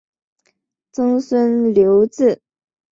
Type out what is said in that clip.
曾孙刘洎。